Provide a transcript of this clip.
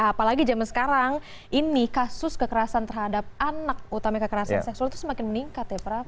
apalagi zaman sekarang ini kasus kekerasan terhadap anak utama kekerasan seksual itu semakin meningkat ya prab